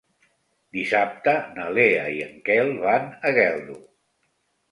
Dissabte na Lea i en Quel van a Geldo.